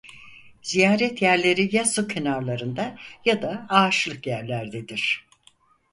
Ziyaret yerleri ya su kenarlarında ya da ağaçlık yerlerdedir.